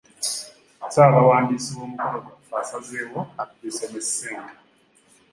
Ssaabawandiisi w’omukolo gwaffe asazeewo adduse ne ssente.